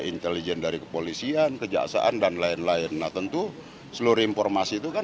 intelijen dari kepolisian kejaksaan dan lain lain nah tentu seluruh informasi itu kan